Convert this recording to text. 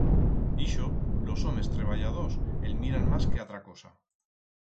Ixo los homes treballadors el miran mas que atra cosa.